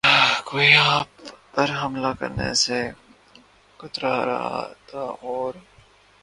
کوئی آپ پر حملہ کرنے سے کترا رہا تھا اور